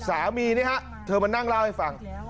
สามีนี่ครับเธอมานั่งเล่าให้ฟัง